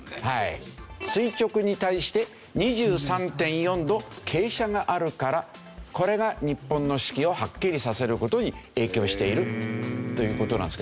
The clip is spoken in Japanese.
垂直に対して２３．４度傾斜があるからこれが日本の四季をはっきりさせる事に影響しているという事なんですけど。